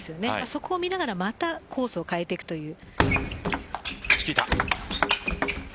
そこを見ながらまたコースを変えてくるという。